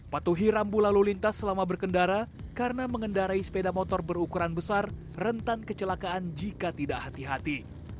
patuhi rambu lalu lintas selama berkendara karena mengendarai sepeda motor berukuran besar rentan kecelakaan jika tidak hati hati